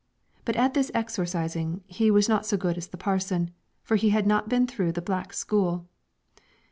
But at this exorcising he was not so good as the parson, for he had not been through the black school.